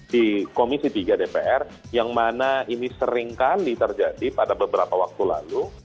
di komisi tiga dpr yang mana ini seringkali terjadi pada beberapa waktu lalu